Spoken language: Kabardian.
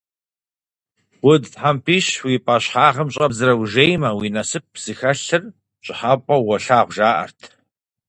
Удз тхьэмпищ уи пӀащхьэгъым щӀэбдзрэ ужеймэ, уи насып зыхэлъыр пщӀыхьэпӀэу уолъагъу, жаӀэрт.